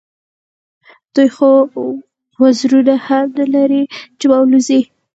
دوی خو وزرونه هم نه لري چې والوزي.